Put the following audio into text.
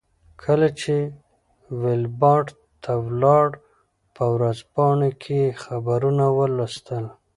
کله چې ویلباډ ته ولاړ په ورځپاڼو کې یې خبرونه ولوستل.